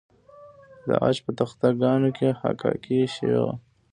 د عاج په تخته ګانو کې حکاکي شوې وه